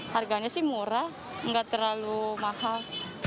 harganya sih murah nggak terlalu mahal